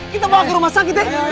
kita bawa ke rumah sakit ya